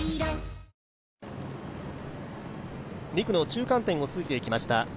２区の中間点を過ぎていきました